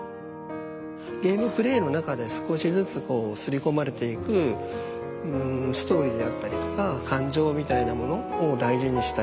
ゲームプレイの中で少しずつこう刷り込まれていくうんストーリーであったりとか感情みたいなものを大事にしたい。